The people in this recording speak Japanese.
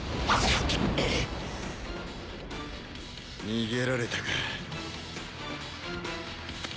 逃げられたか。